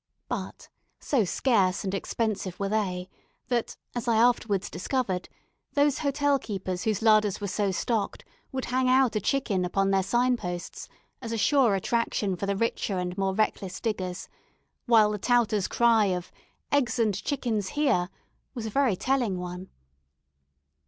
But, so scarce and expensive were they, that, as I afterwards discovered, those hotel keepers whose larders were so stocked would hang out a chicken upon their signposts, as a sure attraction for the richer and more reckless diggers; while the touter's cry of "Eggs and chickens here" was a very telling one.